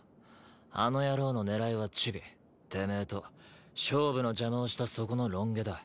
あの野郎の狙いはチビてめえと勝負の邪魔をしたそこのロン毛だ